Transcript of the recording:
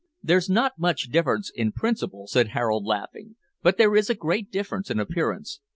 "There's not much difference in principle," said Harold, laughing, "but there is a great difference in appearance.